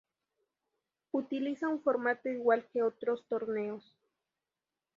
Utiliza un formato igual que otros torneos.